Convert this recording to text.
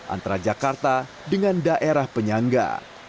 antara jakarta dengan daerah penyangga